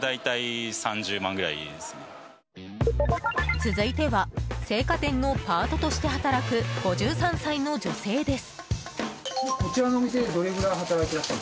続いては青果店のパートとして働く５３歳の女性です。